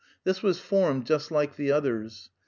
This was formed just like the others.